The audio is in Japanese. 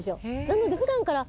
なので普段から。